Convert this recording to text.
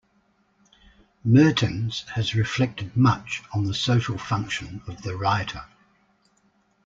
Mertens has reflected much on the social function of the writer.